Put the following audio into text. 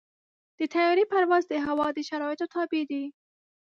د طیارې پرواز د هوا د شرایطو تابع دی.